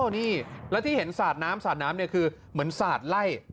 อ๋อนี่แล้วที่เห็นศาสตร์น้ำศาสตร์น้ำเนี่ยคือเหมือนศาสตร์ไล่